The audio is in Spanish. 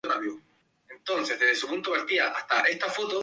La animación con este tipo de monitor no es práctica.